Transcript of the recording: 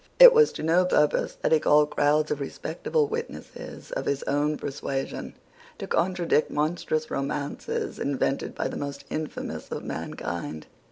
It was to no purpose that he called crowds of respectable witnesses, of his own persuasion, to contradict monstrous romances invented by the most infamous of mankind.